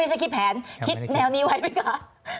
ไม่ใช่คิดแผนคิดแนวนี้ไว้ไหมคะ